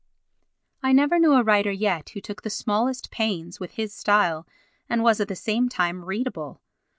I never knew a writer yet who took the smallest pains with his style and was at the same time readable.